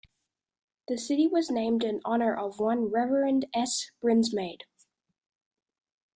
The city was named in honor of one Reverend S. Brinsmade.